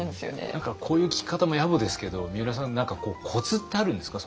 何かこういう聞き方もやぼですけどみうらさん何かコツってあるんですか？